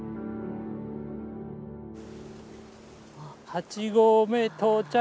８合目到着。